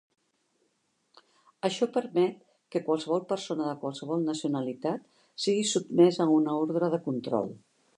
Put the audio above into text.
Això permet que qualsevol persona de qualsevol nacionalitat sigui sotmesa a una ordre de control.